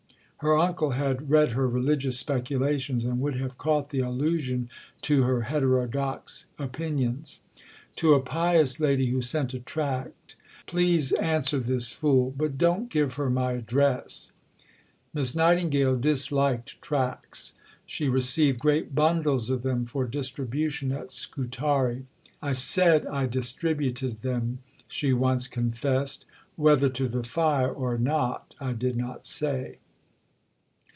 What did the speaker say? Her uncle had read her religious speculations, and would have caught the allusion to her heterodox opinions. To a pious lady who sent a tract: "Please answer this fool, but don't give her my address." Miss Nightingale disliked tracts. She received great bundles of them for distribution at Scutari. "I said I distributed them," she once confessed, "whether to the fire or not, I did not say."